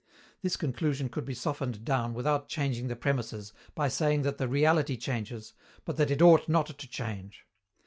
This conclusion could be softened down without changing the premisses, by saying that the reality changes, but that it ought not to change.